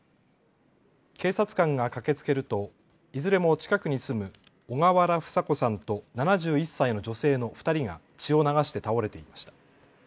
警察官が駆けつけるといずれも近くに住む小河原房子さんと７１歳の女性の２人が血を流して倒れていました。